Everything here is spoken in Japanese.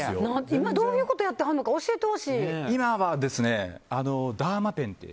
今、どういうことやってはるのか教えてほしい。